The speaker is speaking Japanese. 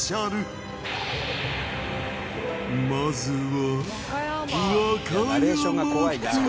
まずは